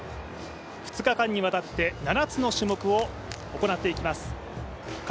２日間にわたって７つの種目を行っていきます。